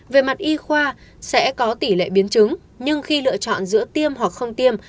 về mặt y khoa sẽ có tỷ lệ biến chứng nhưng khi lựa chọn giữa tiêm hoặc không tiêm